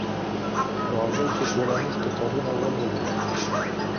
راځئ چي ټولنیز کتابونه ولولو.